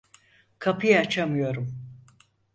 Kapıyı açamıyorum.